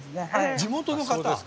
地元の方？